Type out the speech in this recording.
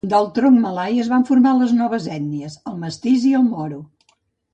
Del tronc malai es van formar les noves ètnies: el mestís i el moro.